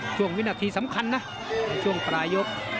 ช่วงวินาทีสำคัญนะช่วงปลายบ